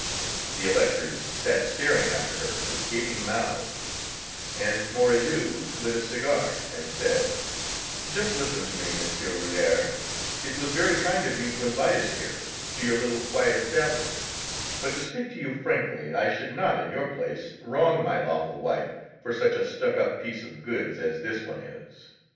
The electors sat staring after her with gaping mouths, and Mouredus lit a cigar, and said: "Just listen to me, Monsieur Rulhiére; it was very kind of you to invite us here, to your little quiet establishment, but to speak to you frankly, I should not, in your place, wrong my lawful wife for such a stuck up piece of goods as this one is."